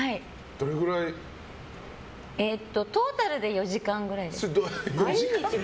トータルで４時間ぐらいです。